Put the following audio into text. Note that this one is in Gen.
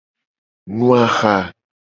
Nu aha.